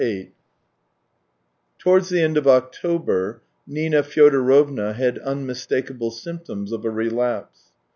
vni Towards the end of October Nina Fyodorovna had unmistakable symptoms of a relapse.